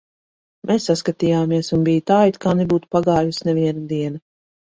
Mēs saskatījāmies, un bija tā, it kā nebūtu pagājusi neviena diena.